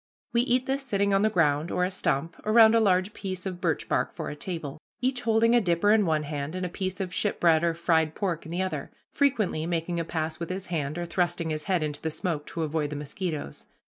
We eat this sitting on the ground, or a stump, around a large piece of birch bark for a table, each holding a dipper in one hand and a piece of ship bread or fried pork in the other, frequently making a pass with his hand, or thrusting his head into the smoke, to avoid the mosquitoes.